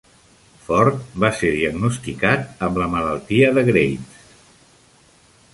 Ford va ser diagnosticat amb la malaltia de Graves.